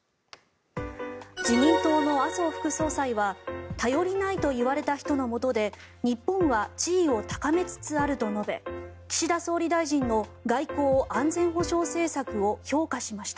自民党の麻生副総裁は頼りないと言われた人のもとで日本は地位を高めつつあると述べ岸田総理大臣の外交・安全保障政策を評価しました。